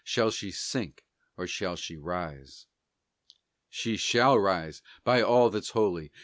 Shall she sink, or shall she rise? She shall rise, by all that's holy!